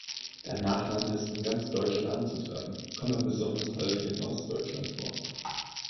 Der Nachname ist in ganz Deutschland anzutreffen, kommt aber besonders häufig in Ostdeutschland vor.